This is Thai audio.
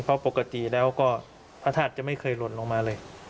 เพราะปกติแล้วก็พระธาตุจะไม่เคยหล่นลงมาเลย